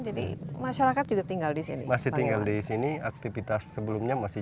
jadi masyarakat juga tinggal di sini masih tinggal di sini aktivitas sebelumnya masih